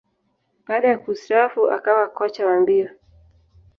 Baada ya kustaafu, akawa kocha wa mbio.